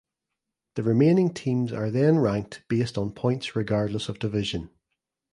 The remaining teams are then ranked based on points regardless of division.